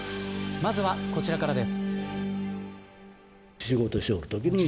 まずはこちらからです。